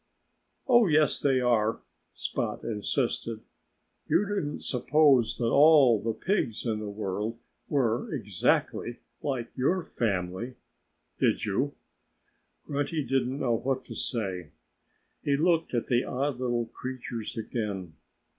"Oh, yes they are!" Spot insisted. "You didn't suppose that all the pigs in the world were exactly like your family did you?" Grunty didn't know what to say. He looked at the odd little creatures again.